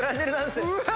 うわ！